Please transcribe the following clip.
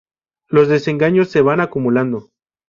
Los desengaños se van acumulando.